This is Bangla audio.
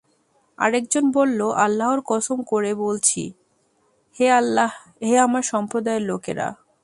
আরেকজন বলল, আল্লাহর কসম করে বললছি, হে আমার সম্প্রদায়ের লোকেরা!